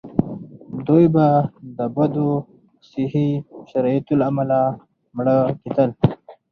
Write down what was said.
دوی به د بدو صحي شرایطو له امله مړه کېدل.